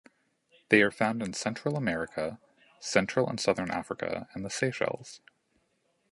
They are found in Central America, Central and Southern Africa and the Seychelles.